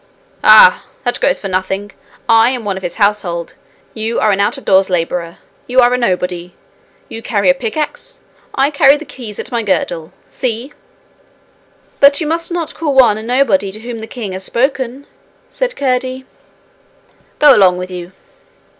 'Ah! that goes for nothing. I am one of his household. You are an out of doors labourer. You are a nobody. You carry a pickaxe. I carry the keys at my girdle. See!' 'But you must not call one a nobody to whom the king has spoken,' said Curdie. 'Go along with you!'